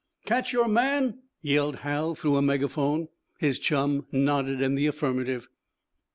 "Catch your man?" yelled Hal, through a megaphone. His chum nodded in the affirmative.